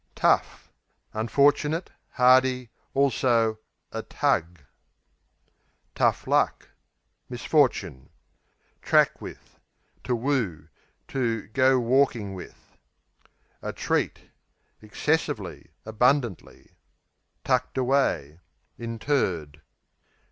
Tough Unfortunate; hardy; also a "tug," q.v. Tough luck Misfortune. Track with To woo; to "go walking with." Treat, a Excessively; abundantly. Tucked away Interred.